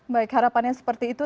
baik harapannya seperti itu